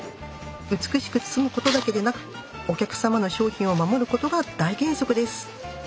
美しく包むことだけでなくお客様の商品を守ることが大原則です！